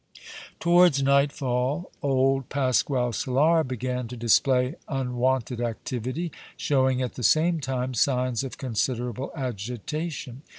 Towards nightfall old Pasquale Solara began to display unwonted activity, showing, at the same time, signs of considerable agitation.